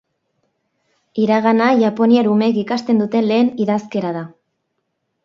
Hiragana japoniar umeek ikasten duten lehen idazkera da.